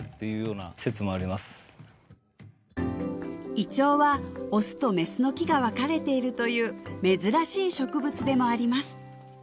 イチョウはオスとメスの木が分かれているという珍しい植物でもあります